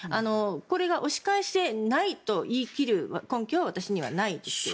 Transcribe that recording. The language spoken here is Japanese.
これが押し返せないと言い切る根拠は私にはないですが。